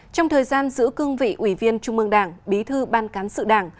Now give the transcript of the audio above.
trong thời gian giữa cương vị ủy viên trung ương đảng bí thư ban cán sự đảng